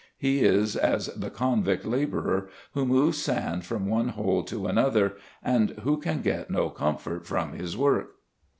He is as the convict labourer who moves sand from one hole to another; and who can get no comfort from his work.